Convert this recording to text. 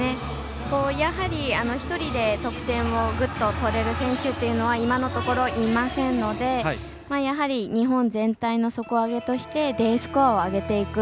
やはり１人で得点をグッと取れる選手というのは今のところいませんのでやはり日本全体の底上げとしてＤスコアを上げていく。